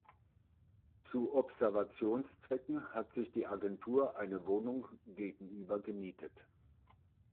Zu Observationszwecken hat sich die Agentur eine Wohnung gegenüber gemietet.